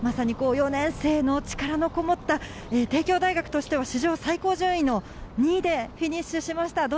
４年生の力のこもった帝京大学としては史上最高順位の２位でフィニッシュしました。